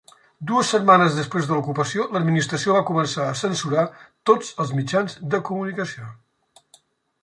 Dues setmanes després de l'ocupació, l'administració va començar a censurar tots els mitjans de comunicació.